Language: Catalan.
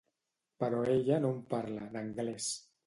Però ella no en parla, d'anglès.